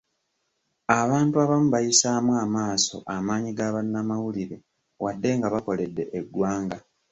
Abantu abamu bayisaamu amaaso amaanyi ga bannamawulire wadde nga bakoledde eggwanga.